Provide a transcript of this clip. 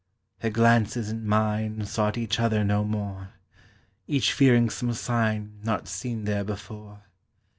Her glances and mine Sought each other no more, Each fearing some sign Not seen there before.